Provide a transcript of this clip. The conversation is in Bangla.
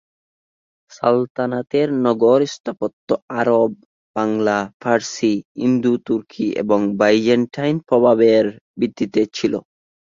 সালতানাতের নগর স্থাপত্য আরব, বাংলা, ফারসি, ইন্দো-তুর্কি এবং বাইজেন্টাইন প্রভাবের ভিত্তিতে ছিল।